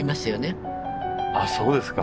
あっそうですか。